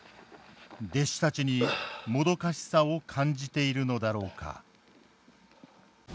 弟子たちにもどかしさを感じているのだろうか。